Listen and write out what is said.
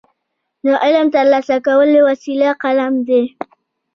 د علم ترلاسه کولو وسیله قلم دی.